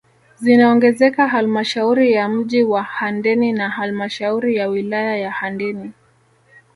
Zinaongezeka halmashauri ya mji wa Handeni na halmashauri ya wilaya ya Handeni